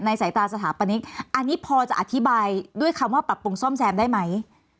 สายตาสถาปนิกอันนี้พอจะอธิบายด้วยคำว่าปรับปรุงซ่อมแซมได้ไหม